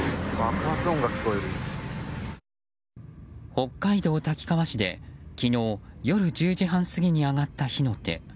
北海道滝川市で昨日夜１０時半過ぎに上がった火の手。